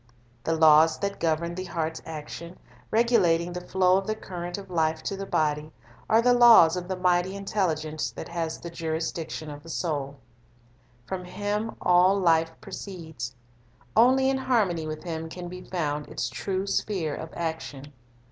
The laws that govern the heart's action, regulating the flow of the current of life to the body, are the laws of the mighty universality ..... r it of Law Intelligence that has the jurisdiction of the soul, from Him all life proceeds. Only in harmony with Him can be found its true sphere of action.